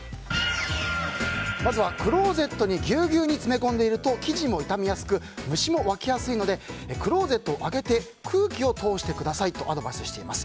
まずはクローゼットにぎゅうぎゅうに詰め込んでいると生地も傷みやすく虫も湧きやすいのでクローゼットを開けて空気を通してくださいとアドバイスしています。